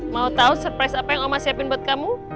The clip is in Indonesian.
mau tau surprise apa yang oma siapin buat kamu